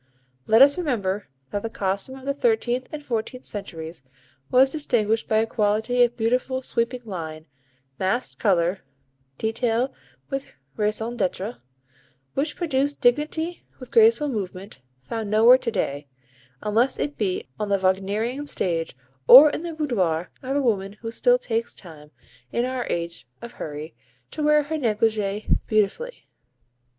Let us remember that the costume of the thirteenth and fourteenth centuries was distinguished by a quality of beautiful, sweeping line, massed colour, detail with raison d'être, which produced dignity with graceful movement, found nowhere to day, unless it be on the Wagnerian stage or in the boudoir of a woman who still takes time, in our age of hurry, to wear her negligée beautifully.